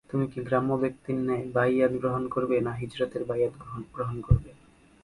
তুমি কি গ্রাম্য ব্যক্তির ন্যায় বাইয়াত গ্রহণ করবে, না হিজরতের বাইয়াত গ্রহণ করবে।